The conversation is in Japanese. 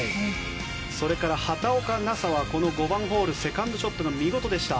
それから畑岡奈紗はこの５番ホールセカンドショットが見事でした。